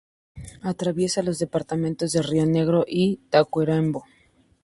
Atraviesa los departamentos de Río Negro y Tacuarembó.